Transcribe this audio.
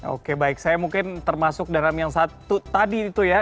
oke baik saya mungkin termasuk dalam yang satu tadi itu ya